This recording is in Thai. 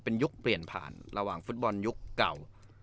เป็นยุคเปลี่ยนผ่านระหว่างฟุตบอลยุคเก่า